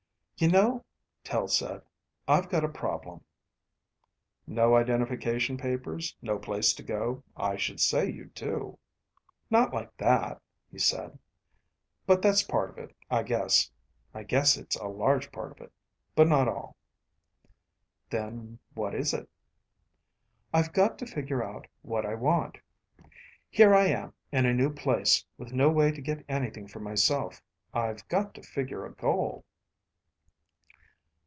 "You know," Tel said. "I've got a problem." "No identification papers, no place to go. I should say you do." "Not like that," he said. "But that's part of it, I guess. I guess it's a large part of it. But not all." "Then what is it?" "I've got to figure out what I want. Here I am, in a new place, with no way to get anything for myself; I've got to figure a goal."